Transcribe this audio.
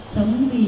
sống vì em